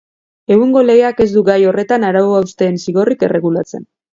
Egungo legeak ez du gai horretan arau-hausteen zigorrik erregulatzen.